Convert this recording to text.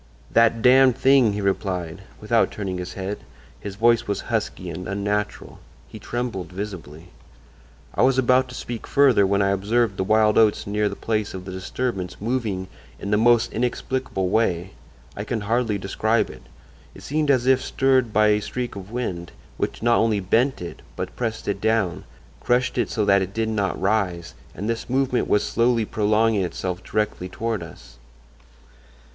"'That Damned Thing!' he replied, without turning his head. His voice was husky and unnatural. He trembled visibly. "I was about to speak further, when I observed the wild oats near the place of the disturbance moving in the most inexplicable way. I can hardly describe it. It seemed as if stirred by a streak of wind, which not only bent it, but pressed it down—crushed it so that it did not rise; and this movement was slowly prolonging itself directly toward us.